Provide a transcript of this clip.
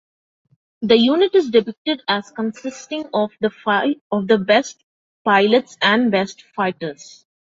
The unit is depicted as consisting of "the best pilots and the best fighters".